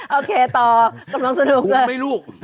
โอเคต่อกำลังสนุกเลย